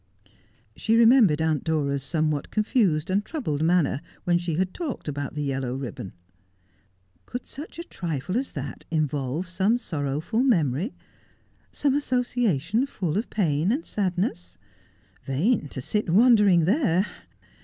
She remembered Aunt Dora's somewhat confused and troubled manner when she had talked about the yellow ribbon. Could such a trifle as that involve some sorrowful memory — some asso ciation full of pain and sadness 1 Vain to sit wondering there.